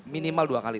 minimal dua kali